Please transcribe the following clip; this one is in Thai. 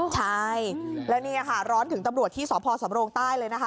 ใช่แล้วนี่ค่ะร้อนถึงตำรวจที่สพสำโรงใต้เลยนะคะ